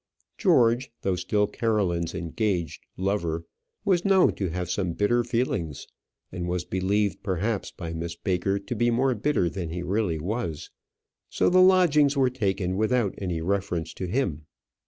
George, though still Caroline's engaged lover, was known to have some bitter feelings, and was believed perhaps by Miss Baker to be more bitter than he really was. So the lodgings were taken without any reference to him.